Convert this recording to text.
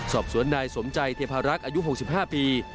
สอบสวนนายสมใจเทพารักษ์อายุ๖๕ปี